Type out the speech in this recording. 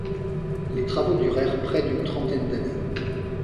Les travaux durèrent près d'une trentaine d'années.